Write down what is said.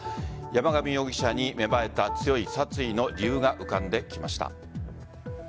山上容疑者に芽生えた強い殺意の理由が浮かんできました。